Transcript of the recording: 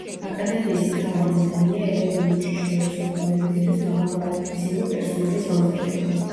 აკადემიის მთავარი მიზანია ეროვნული უშიშროების ორგანოებისთვის მაღალკვალიფიციური პერსონალის მომზადება.